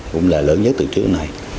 cũng là lớn nhất từ trước này